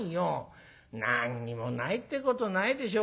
「何にもないってことないでしょ。